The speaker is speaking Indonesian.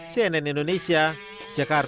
cnn indonesia jakarta